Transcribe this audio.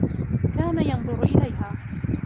كان ينظر إليها.